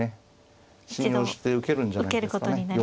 信用して受けるんじゃないですかね。